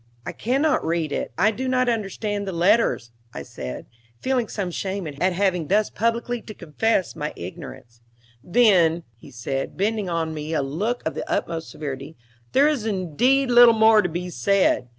"I cannot read it; I do not understand the letters," I said, feeling some shame at having thus publicly to confess my ignorance. "Then," said he, bending on me a look of the utmost severity, "there is indeed little more to be said.